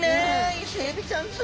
イセエビちゃんす